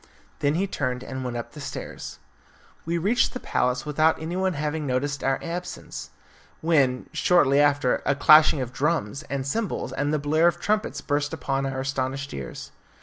Then he turned and went up the stairs. We reached the palace without anyone having noticed our absence, when, shortly after, a clashing of drums, and cymbals, and the blare of trumpets burst upon our astonished ears.